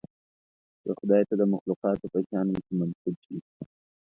که خدای ته د مخلوقاتو په شأن کې منسوب شي.